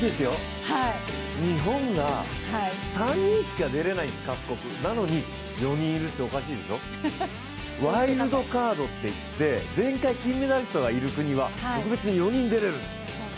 日本が３人しかでれないなのに４人いるっておかしいでしょワイルドカードといって前回、金メダリストがいる国は特別に４人出られる。